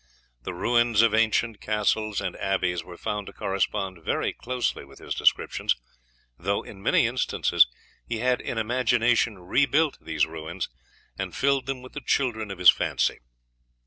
The ruins of ancient castles and abbeys were found to correspond very closely with his descriptions, though in many instances he had in imagination rebuilt these ruins and filled them with the children of his fancy.